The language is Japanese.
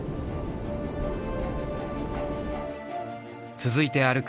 続いて歩く